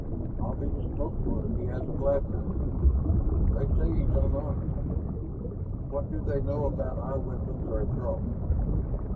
"I'll be the smoked one if he has a blaster." "They say he's unarmed " "What do they know about our weapons or a Throg's?"